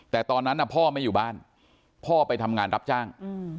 แต่ตอนนั้นพ่อไม่อยู่บ้านพ่อไปทำงานรับจ้าง